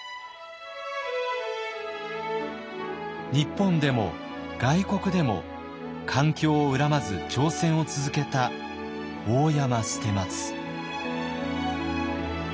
日本でも外国でも環境を恨まず挑戦を続けた大山捨松。